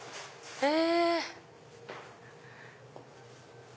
へぇ！